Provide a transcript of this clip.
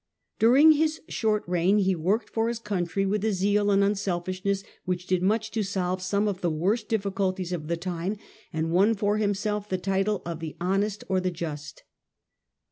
247). During his short reign he worked for his country with a zeal and unselfishness which did much to solve some of the worst difficulties of the time, and won for himself the title of the Honest or the Just.